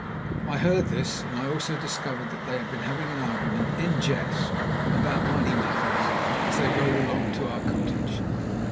I heard this, and I also discovered that they had been having an argument, in jest, about money matters, as they rode along to our cottage.